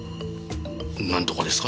なんとかですか？